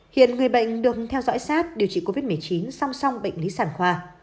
hiện người bệnh được theo dõi sát điều trị covid một mươi chín song song bệnh lý sản khoa